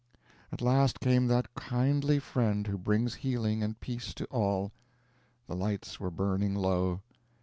At last came that kindly friend who brings healing and peace to all. The lights were burning low.